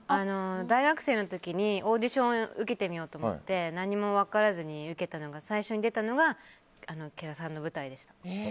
大学生の時にオーディションを受けてみようと思って何も分からずに最初に出たのがケラさんの舞台でした。